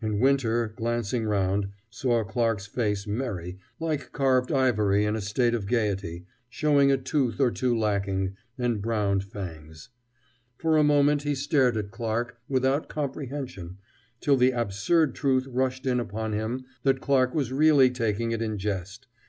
And Winter, glancing round, saw Clarke's face merry, like carved ivory in a state of gayety, showing a tooth or two lacking, and browned fangs. For a moment he stared at Clarke, without comprehension, till the absurd truth rushed in upon him that Clarke was really taking it in jest.